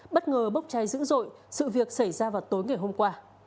bất ngờ bốc cháy dữ dội sự việc xảy ra vào tối ngày hôm qua